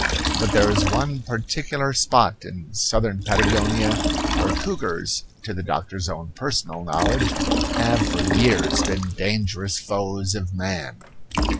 But there is one particular spot in southern Patagonia where cougars, to the doctor's own personal knowledge, have for years been dangerous foes of man.